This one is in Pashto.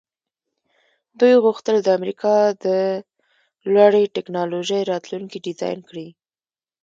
دوی غوښتل د امریکا د لوړې ټیکنالوژۍ راتلونکی ډیزاین کړي